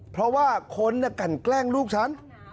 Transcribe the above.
เพราะว่าคนกันแกล้งลูกฉัน